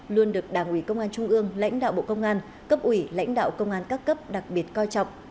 luôn được đảng ủy công an trung ương lãnh đạo bộ công an cấp ủy lãnh đạo công an các cấp đặc biệt coi trọng